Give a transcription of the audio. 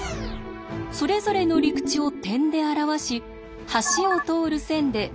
それぞれの陸地を点で表し橋を通る線で結んだのです。